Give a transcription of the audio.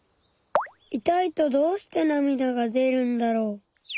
痛いとどうしてなみだが出るんだろう。